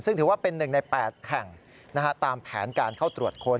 ซึ่งถือว่าเป็น๑ใน๘แห่งตามแผนการเข้าตรวจค้น